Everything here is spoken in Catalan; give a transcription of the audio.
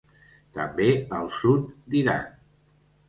També al sud d'Iran.